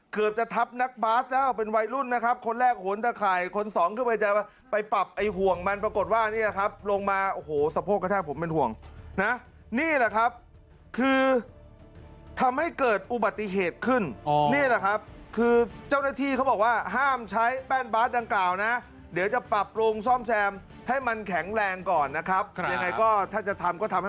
เกือบจะทับนักบาสแล้วเป็นวัยรุ่นนะครับคนแรกโหนตะข่ายคนสองก็จะไปปรับไอ้ห่วงมันปรากฏว่านี่แหละครับลงมาโอ้โหสะโพกกระทั่งผมเป็นห่วงนะนี่แหละครับคือทำให้เกิดอุบัติเหตุขึ้นอ๋อนี่แหละครับคือเจ้าหน้าที่เขาบอกว่าห้ามใช้แป้นบาสดังกล่าวนะเดี๋ยวจะปรับลงซ่อ